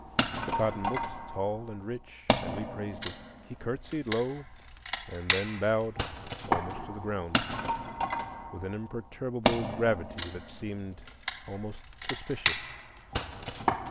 The cotton looked tall and rich, and we praised it. He curtsied low, and then bowed almost to the ground, with an imperturbable gravity that seemed almost suspicious.